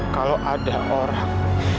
kalau ada orang